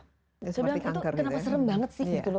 kenapa serem banget sih gitu loh